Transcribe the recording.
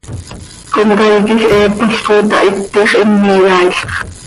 Comcaii quij heepol coi itahitix, him iyaailx.